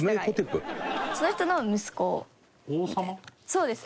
そうです